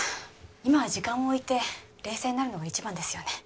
今は時間を置いて冷静になるのが一番ですよね